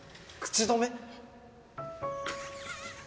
口止め！？